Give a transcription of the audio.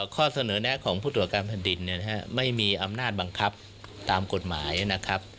ข้อเสนอแนะของผู้ตรวจการแผ่นดินไม่มีอำนาจบังคับตามกฎหมายนะครับ